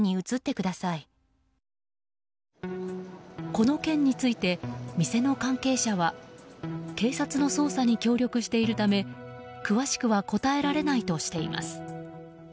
この件について、店の関係者は警察の捜査に協力しているため詳しくは答えられないとしています。